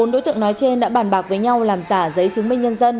bốn đối tượng nói trên đã bàn bạc với nhau làm giả giấy chứng minh nhân dân